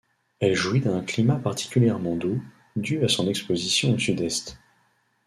Elle jouit d'un climat particulièrement doux, dû à son exposition au sud-est.